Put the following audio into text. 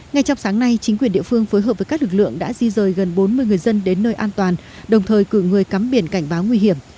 ngay trong sáng nay chính quyền địa phương phối hợp với các lực lượng đã di rời gần bốn mươi người dân đến nơi an toàn đồng thời cử người cắm biển cảnh báo nguy hiểm